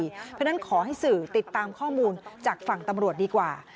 เพราะฉะนั้นขอให้สื่อติดตามข้อมูลจากฝั่งตำรวจดีกว่า